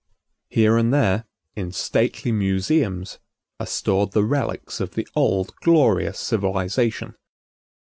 Here and there, in stately museums, are stored the relics of the old glorious civilization.